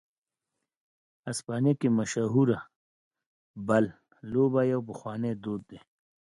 اسپانیا کې مشهوره "بل" لوبه یو پخوانی دود دی.